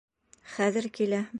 Хәҙер килә!